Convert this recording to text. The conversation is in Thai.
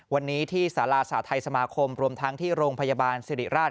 วันนี้ที่สาราสหทัยสมาคมรวมทั้งที่โรงพยาบาลสิริราช